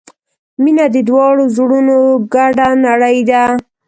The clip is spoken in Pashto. • مینه د دواړو زړونو ګډه نړۍ ده.